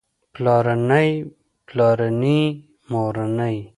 پلارنی پلارني مورنۍ